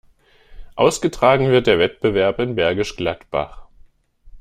Ausgetragen wird der Wettbewerb in Bergisch Gladbach.